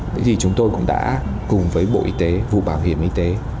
thế thì chúng tôi cũng đã cùng với bộ y tế vụ bảo hiểm y tế